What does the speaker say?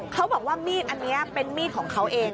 เขาบอกว่ามีดอันนี้เป็นมีดของเขาเอง